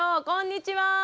こんにちは。